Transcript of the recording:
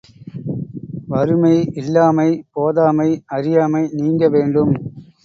வறுமை, இல்லாமை, போதாமை, அறியாமை நீங்க வேண்டும்.